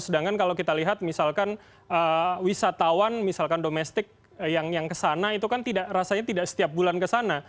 sedangkan kalau kita lihat misalkan wisatawan misalkan domestik yang kesana itu kan rasanya tidak setiap bulan kesana